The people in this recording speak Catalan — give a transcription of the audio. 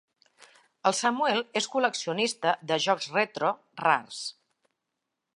El Samuel és col·leccionista de jocs retro rars.